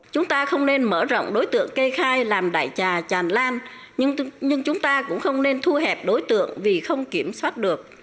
chúng ta không nên mở rộng đối tượng kê khai làm đại trà lan nhưng chúng ta cũng không nên thu hẹp đối tượng vì không kiểm soát được